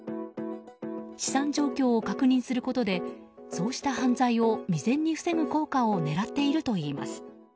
資産状況を確認することでそうした犯罪を未然に防ぐ効果を狙っているといいます。